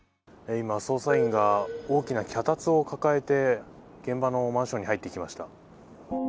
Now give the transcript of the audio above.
今、捜査員が大きな脚立を抱えて現場のマンションに入っていきました。